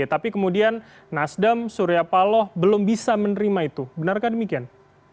tapi kemudian nasdam suryapaloh belum bisa menerima itu benarkah demikian